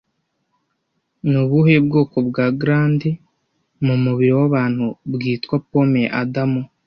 Ni ubuhe bwoko bwa glande mu mubiri w'abantu bwitwa 'pome ya Adamu'